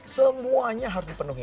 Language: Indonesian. semuanya harus dipenuhi